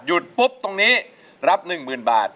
หยุดปุ๊บตรงนี้รับหนึ่งหมื่นบาท